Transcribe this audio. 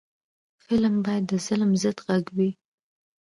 فلم باید د ظلم ضد غږ وي